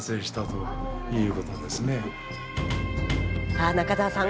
さあ中澤さん